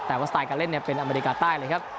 แต่ว่าสไตล์การเล่นเป็นอเมริกาใต้เลยครับ